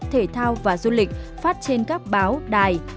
thể thao và du lịch phát trên các báo đài